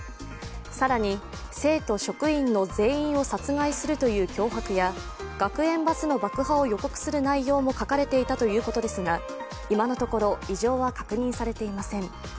更に、生徒・職員の全員を殺害するという脅迫や学園バスの爆破を予告する内容も書かれていたということですが今のところ異常は確認されていません。